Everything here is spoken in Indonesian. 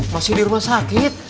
masih di rumah sakit